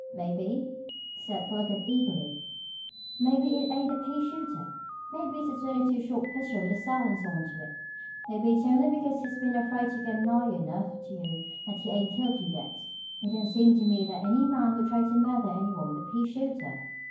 "Maybe," said Philo Gubb eagerly, "maybe it ain't a pea shooter. Maybe it's a twenty two short pistol with a silencer onto it. Maybe it's only because he's been afraid to come nigh enough to you that he ain't killed you yet. It don't seem to me that any man would try to murder any one with a pea shooter."